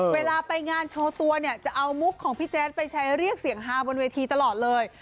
เวลาไปงานโชว์ตัวเนี่ยจะเอามุกของพี่แจ๊ดไปใช้เรียกเสียงฮาบนเวทีตลอดเลย